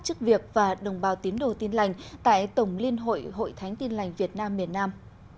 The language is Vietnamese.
chức việc và đồng bào tín đồ tin lành tại tổng liên hội hội thánh tin lành việt nam miền nam